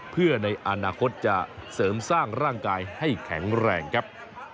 เพื่อในอนาคตจะเสริมสร้างร่างกายให้แข็งแรงครับ